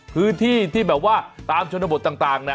พื้นที่ที่แบบว่าตามชนบทต่างนะ